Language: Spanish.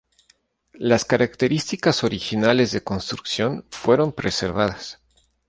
Las características originales de construcción fueron preservadas.